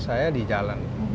saya di jalan